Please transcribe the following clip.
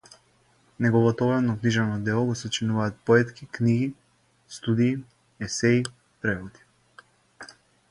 Неговото обемно книжевно дело го сочинуваат поетки книги, студии, есеи, преводи.